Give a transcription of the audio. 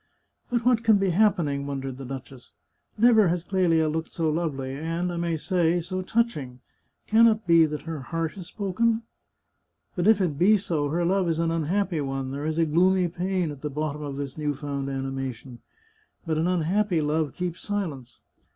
" But what can be happening?" wondered the duchess. " Never has Clelia looked so lovely, and I may say, so touching. Can it be that her heart has spoken ?... But if it be so, her love is an unhappy one ; there is a gloomy pain at the bottom of this new found animation. ... But an unhappy love keeps silence.